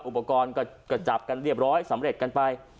อุปกรณ์ก็จับกันเรียบร้อยสำเร็จกันไป